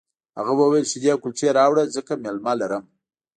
هغه وویل شیدې او کلچې راوړه ځکه مېلمه لرم